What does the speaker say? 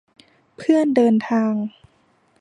เพื่อนเดินทาง